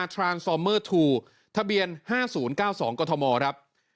ทรานซอมเมอร์ทูทะเบียน๕๐๙๒กรทมครับ